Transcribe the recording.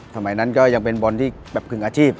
สมัยนั้นก็ยังเป็นบอลที่แบบครึ่งอาชีพ